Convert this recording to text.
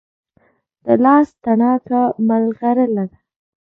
د لاس تڼاکه ملغلره ده.